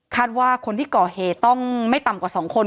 ว่าคนที่ก่อเหตุต้องไม่ต่ำกว่า๒คน